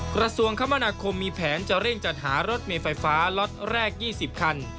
กระทรวงคมนาคมมีแผนจะเร่งจัดหารถเมย์ไฟฟ้าล็อตแรก๒๐คัน